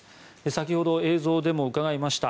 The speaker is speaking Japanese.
先ほど映像でも伺いました